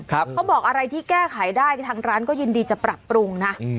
เขาบอกอะไรที่แก้ไขได้ทางร้านก็ยินดีจะปรับปรุงนะ